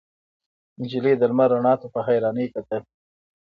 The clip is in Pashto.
نجلۍ د لمر رڼا ته په حيرانۍ کتل.